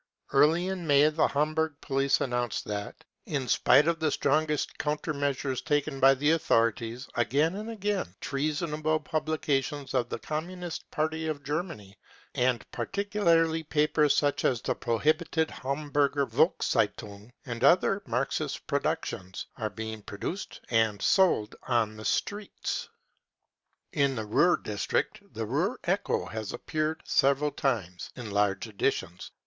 Early in May the Hamburg police announced that :" In spite of the strongest counter measures taken by the authorities, again and again treasonable publications of the Communist Party 1 of Germany, and particularly papers such as the prohibited Hamburger Volkszeitung and other Marxist productions, are being produced and sold on the streets and in the houses, 95 In the Ruhr district the Ruhr Echo has appeared several times, in large editions.